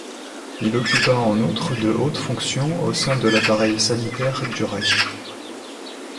Il occupa en outre de hautes fonctions au sein de l’appareil sanitaire du Reich.